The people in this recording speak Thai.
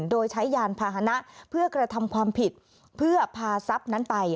โดยใช้ยานพาหนะเพื่อกระทำความผิดเพื่อพาทรัพย์นั้นไป